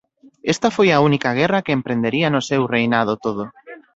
Esta foi a única guerra que emprendería no seu reinado todo.